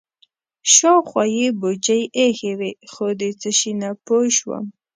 شاوخوا یې بوجۍ ایښې وې خو د څه شي نه پوه شوم.